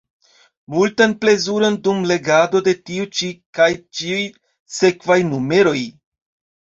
Multan plezuron dum legado de tiu ĉi kaj ĉiuj sekvaj numeroj!